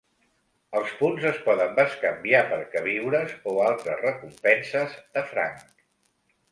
Els punts es poden bescanviar per queviures o altres recompenses de franc.